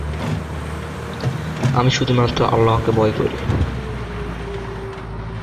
এছাড়াও, ইংরেজি, স্পেনীয় ও আরবী ভাষায়ও তার দখল রয়েছে।